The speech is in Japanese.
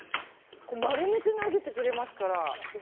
丸めて投げてくれますから。